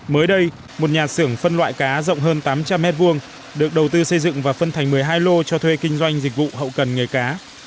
mới đây một nhà xưởng phân loại cá rộng hơn tám trăm linh m hai được đầu tư xây dựng và phân thành một mươi hai lô cho thuê kinh doanh dịch vụ hậu cần nghề cá